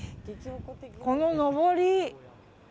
こののぼり。